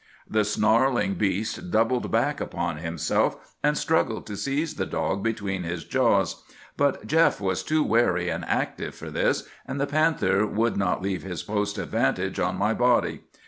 "The snarling beast doubled back upon himself, and struggled to seize the dog between his jaws; but Jeff was too wary and active for this, and the panther would not leave his post of vantage on my body.